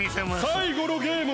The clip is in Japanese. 最後のゲームは。